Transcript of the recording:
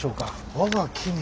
我が君。